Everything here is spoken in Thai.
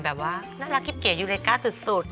แบบว่านักลักเกจอยุเลก้าสุด